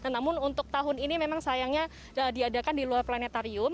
namun untuk tahun ini memang sayangnya diadakan di luar planetarium